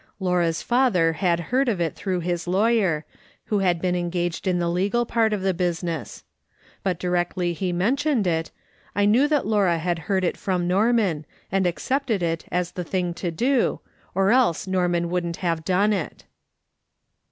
Laura's father had heard of it through his lawyer, who had been engaged in the legal part of the busi ness; but directly he mentioned it, I knew that Laura had heard it from Norman, and accepted it as the thing to do, or else Norman wouldn't have done it